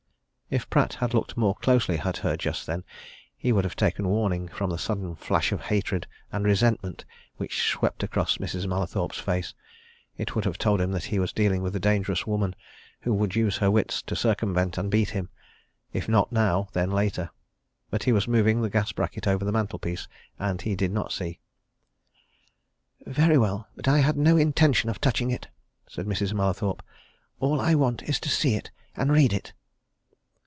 If Pratt had looked more closely at her just then, he would have taken warning from the sudden flash of hatred and resentment which swept across Mrs. Mallathorpe's face it would have told him that he was dealing with a dangerous woman who would use her wits to circumvent and beat him if not now, then later. But he was moving the gas bracket over the mantelpiece, and he did not see. "Very well but I had no intention of touching it," said Mrs. Mallathorpe. "All I want is to see it and read it."